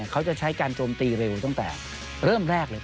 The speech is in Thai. เขาจะใช้การโจมตีเร็วตั้งแต่เริ่มแรกเลย